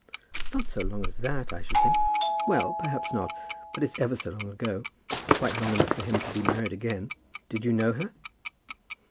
"Not so long as that, I should think." "Well, perhaps not. But it's ever so long ago; quite long enough for him to be married again. Did you know her?"